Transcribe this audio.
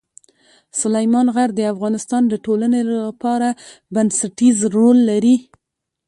سلیمان غر د افغانستان د ټولنې لپاره بنسټيز رول لري.